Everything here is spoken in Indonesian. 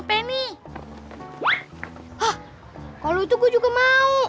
kemana itu dulu yaa